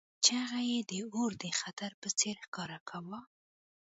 چې هغه یې د اور د خطر په څیر ښکاره کاوه